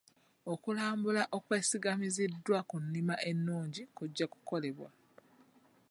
Okulambula okwesigamiziddwa ku nnima ennungi kujja kukolebwa.